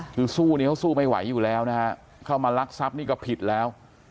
คือสู้นี้เขาสู้ไม่ไหวอยู่แล้วนะฮะเข้ามารักทรัพย์นี่ก็ผิดแล้ว